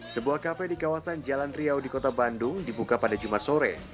sebuah kafe di kawasan jalan riau di kota bandung dibuka pada jumat sore